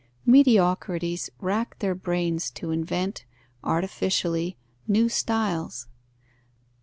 Mediocrities racked their brains to invent, artificially, new styles.